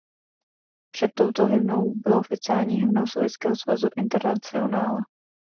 Před touto hymnou byla oficiální hymnou Sovětského svazu Internacionála.